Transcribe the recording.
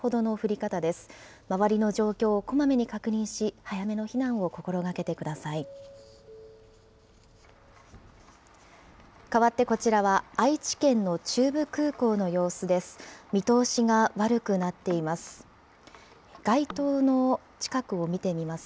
かわってこちらは愛知県の中部空港の様子です。